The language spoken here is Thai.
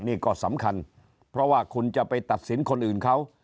นี่ก็สำคัญเพราะว่าคุณจะไปตัดสินคนอื่นเขา